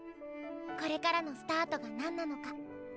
これからのスタートが何なのか。